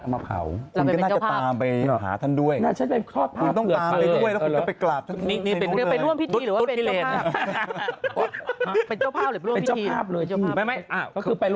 เป็นแบบเขาจะเอาแบบในกรุงเทพเนี่ยนะ